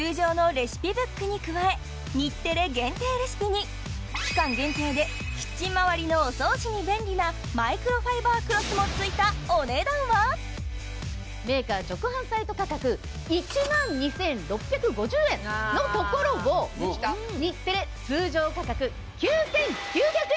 今回は期間限定でキッチン周りのお掃除に便利なマイクロファイバークロスもついたお値段は⁉メーカー直販サイト価格１万２６５０円のところを日テレ通常価格９９００円！